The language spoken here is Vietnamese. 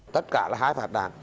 tất cả là hai phát đạn